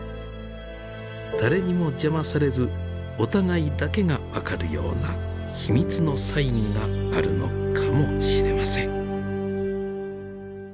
誰にも邪魔されずお互いだけが分かるような秘密のサインがあるのかもしれません。